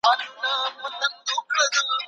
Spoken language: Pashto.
ما په دغه ځای کي ډېر وخت تېر کړی و.